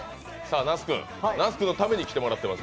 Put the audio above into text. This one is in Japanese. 那須君のために来てもらってます。